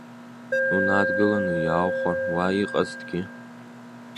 Унадгыланы иааухәар ауа иҟазҭгьы?